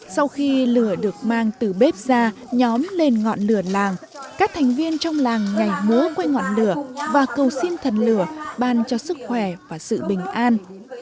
sau khi lửa được mang từ bếp ra nhóm lên ngọn lửa làng các thành viên trong làng nhảy múa quay ngọn lửa và cầu xin thần lửa ban cho sức khỏe và sự bình an